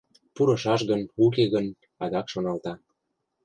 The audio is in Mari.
«Пурышаш гын, уке гын», — адак шоналта.